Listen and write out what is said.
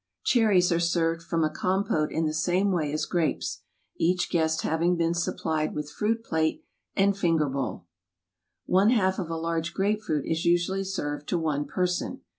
Cherries are served from a com pote in the same way as grapes, each guest having been supplied with fruit plate and finger bowl. One half of a large grape fruit is usually served to one person.